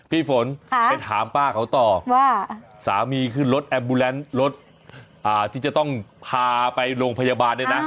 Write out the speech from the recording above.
พี่ฝนไปถามป้าเขาต่อว่าสามีขึ้นรถแอมบูแลนซ์รถที่จะต้องพาไปโรงพยาบาลเนี่ยนะ